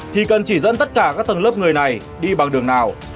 thì cần chỉ dẫn tất cả các tầng lớp người này đi bằng đường nào